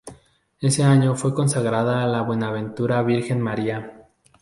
Ese año fue consagrada a la Bienaventurada Virgen María.